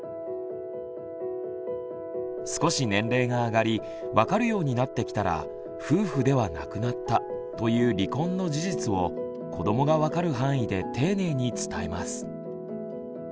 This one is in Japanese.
少し年齢が上がり分かるようになってきたら「夫婦ではなくなった」という離婚の事実を子どもが分かる範囲で丁寧に伝えます。